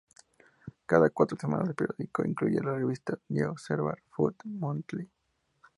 Cada cuatro semanas el periódico incluye la revista "The Observer Food Monthly".